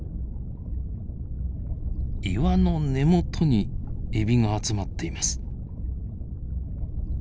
岩の根元にエビが集まっています。